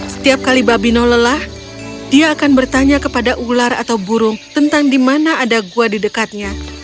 setiap kali babino lelah dia akan bertanya kepada ular atau burung tentang di mana ada gua di dekatnya